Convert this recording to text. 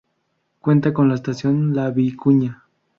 Cuenta con la Estación La Vicuña.